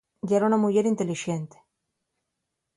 Yera una muyer intelixente.